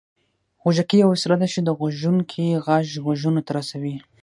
غوږيکې يوه وسيله ده چې د غږوونکي غږ غوږونو ته رسوي